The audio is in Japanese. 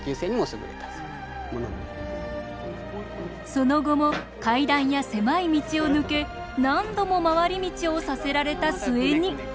その後も階段や狭い道を抜け何度も回り道をさせられた末に。